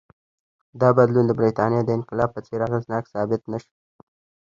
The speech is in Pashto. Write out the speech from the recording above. دا بدلون د برېټانیا د انقلاب په څېر اغېزناک ثابت نه شو.